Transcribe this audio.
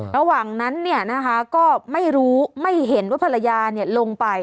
ระหว่างนั้นเนี่ยนะคะก็ไม่รู้ไม่เห็นว่าภรรยาเนี่ยลงไป